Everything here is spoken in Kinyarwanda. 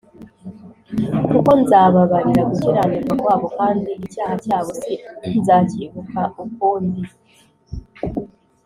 .… Kuko nzababarira gukiranirwa kwabo kandi icyaha cyabo sinzacyibuka ukundi